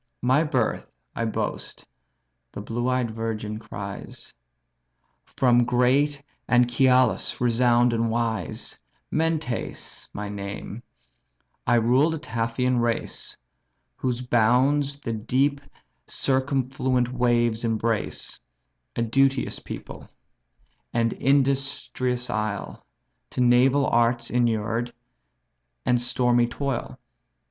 "My birth I boast (the blue eyed virgin cries) From great Anchialus, renown'd and wise; Mentes my name; I rule the Taphian race, Whose bounds the deep circumfluent waves embrace; A duteous people, and industrious isle, To naval arts inured, and stormy toil.